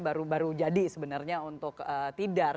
baru baru jadi sebenarnya untuk tidar